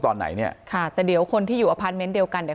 ตอนไหนเนี่ยค่ะแต่เดี๋ยวคนที่อยู่อพาร์ทเมนต์เดียวกันเนี่ย